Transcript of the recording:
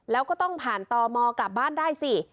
แล้วก็ต้องผ่านตมกลับบ้านได้สิ